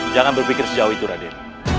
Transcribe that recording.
jangan berpikir sejauh itu raden